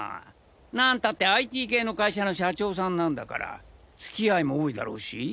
なんたってＩＴ系の会社の社長さんなんだから付き合いも多いだろうし。